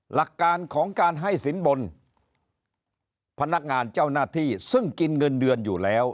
หลักการของการให้สินบนพนักงานเจ้าหน้าที่ซึ่งกินเงินเดือนอยู่แล้ว